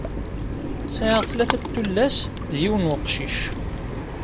Sɛiɣ tlata tullas d yiwen uqcic.